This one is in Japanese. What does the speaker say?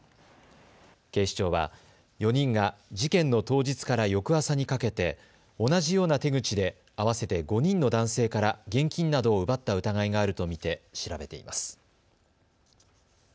警視庁は４人が事件の当日から翌朝にかけて同じような手口で合わせて５人の男性から現金などを奪った疑いがあると見て調べています。